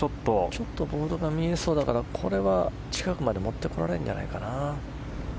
ちょっとボードが見えそうだからこれは近くまで持ってこられるんじゃないかな。